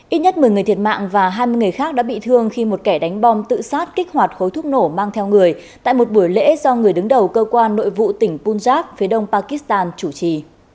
ít nhất một mươi người thiệt mạng và hai mươi người khác đã bị thương khi một kẻ đánh bom tự sát kích hoạt khối thuốc nổ mang theo người tại một buổi lễ do người đứng đầu cơ quan nội vụ tỉnh punjak phía đông pakistan chủ trì